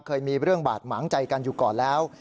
เคยมีเรื่องบาดหมางใจกันอยู่ก่อนแล้ว